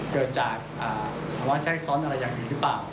เกิดจากแชทซ้อนอะไรอย่างดีที่บ้าง